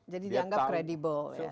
jadi dianggap credible ya